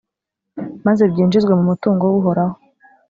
maze byinjizwe mu mutungo w’uhoraho.